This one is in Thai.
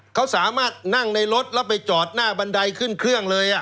เขาสามารถนั่งในรถแล้วไปจอดหน้าบันไดขึ้นเครื่องเลย